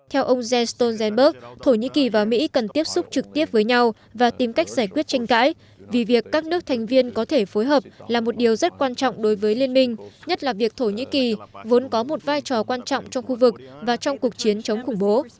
theo ông jens stoltenberg thổ nhĩ kỳ và mỹ cần tiếp xúc trực tiếp với nhau và tìm cách giải quyết tranh cãi vì việc các nước thành viên có thể phối hợp là một điều rất quan trọng đối với liên minh nhất là việc thổ nhĩ kỳ vốn có một vai trò quan trọng trong khu vực và trong cuộc chiến chống khủng bố